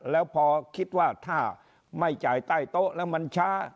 แล้วพอคิดว่าถ้าไม่จ่ายใต้โต๊ะแล้วมันช้า